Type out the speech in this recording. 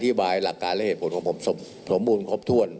โยบายหลักการและเหตุผลของผมสมบูรณ์ครบถ้วน